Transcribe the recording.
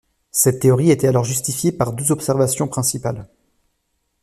Cette théorie était alors justifiée par deux observations principales.